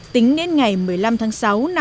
tính đến ngày một mươi năm tháng năm